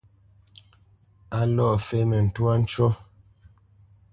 A lɔ fémə ntwá ncú.